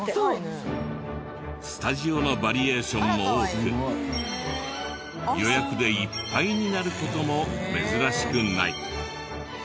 スタジオのバリエーションも多く予約でいっぱいになる事も珍しくない。